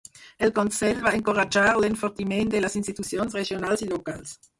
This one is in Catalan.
El Consell va encoratjar l'enfortiment de les institucions regionals i locals.